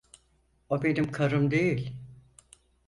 O benim karım değil.